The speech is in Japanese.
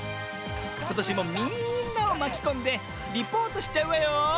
ことしもみんなをまきこんでリポートしちゃうわよ！